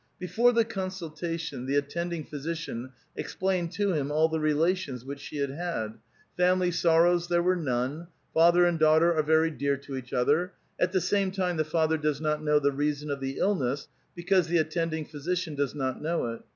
Before the consultation, the attending physician explained to him all the relations which she had had ; family sorrows there were none ; father and daughter are very dear to each other ; at the same time the father does not know the reason of the illness, because the attending physician does not know it.